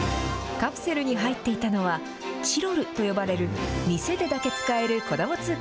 カプセルに入っていたのは、チロルと呼ばれる店でだけ使える子ども通貨。